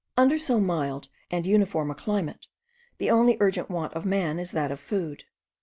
Under so mild and uniform a climate, the only urgent want of man is that of food.